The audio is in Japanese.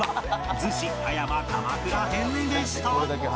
逗子葉山鎌倉編でした